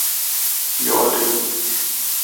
Ja, du!